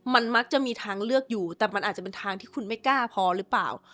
มันมักจะมีทางเลือกอยู่แต่มันอาจจะเป็นทางที่คุณไม่กล้าพอหรือเปล่า